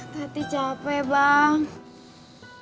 tati capek bang